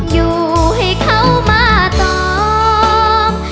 อยู่ให้เขามาตอม